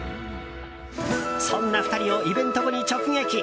そんな２人をイベント後に直撃。